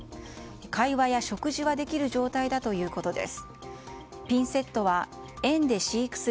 会話や食事はできる状態だということです。